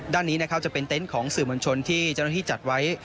ด้านนี้นะครับจะเป็นเต็นต์ของสื่อมวลชนที่เจ้าหน้าที่จัดไว้